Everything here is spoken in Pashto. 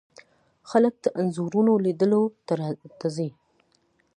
خلک د انځورونو لیدلو ته ځي.